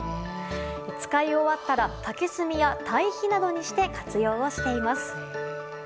使い終わったら、竹炭や堆肥などにして活用をしています。